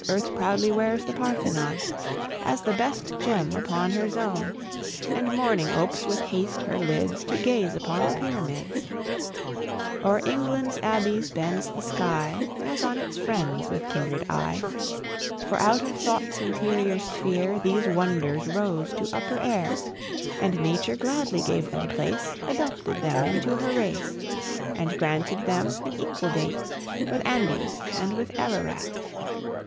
Earth proudly wears the Parthenon, As the best gem upon her zone, And Morning opes with haste her lids To gaze upon the Pyramids; O'er England's abbeys bends the sky, As on its friends, with kindred eye; For out of Thought's interior sphere These wonders rose to upper air; And Nature gladly gave them place, Adopted them into her race, And granted them an equal date With Andes and with Ararat.